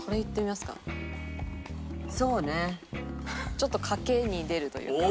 ちょっと賭けに出るというか。